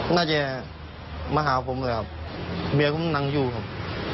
น่าจะมาหาผมเลยครับเมียผมนั่งอยู่ครับ